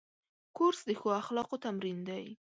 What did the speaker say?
کورس د ښو اخلاقو تمرین دی.